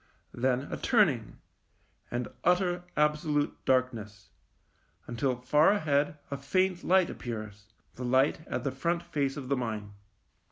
Then a turning, and utter, absolute darkness, until far ahead a faint light appears, the light at the front face of the mine.